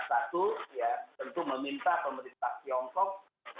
satu ya tentu meminta pemerintah tiongkok